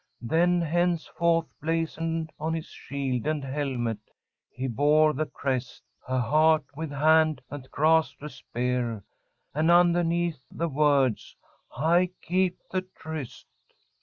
Then henceforth blazoned on his shield and helmet he bore the crest, a heart with hand that grasped a spear, and, underneath, the words, 'I keep the tryst.'"